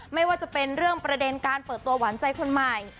ไม่ว่าจะเป็นเรื่องประเด็นการเปิดตัวหวานใจคนใหม่